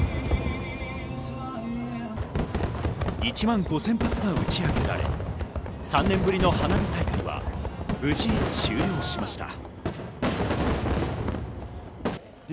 １万５０００発が打ち上げられ、３年ぶりの花火大会は、無事終了しました。